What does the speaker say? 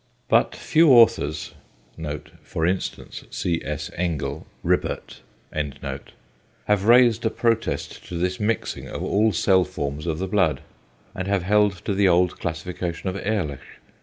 But few authors (for instance C. S. Engel, Ribbert) have raised a protest to this mixing of all cell forms of the blood, and have held to the old classification of Ehrlich.